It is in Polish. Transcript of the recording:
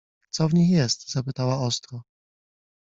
— Co w nich jest? — zapytała ostro.